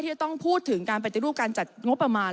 ที่ต้องพูดถึงการปัจจัยรูปการจัดงบประมาณ